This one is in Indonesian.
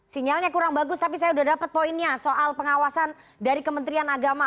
sinyalnya kurang bagus tapi saya sudah dapat poinnya soal pengawasan dari kementerian agama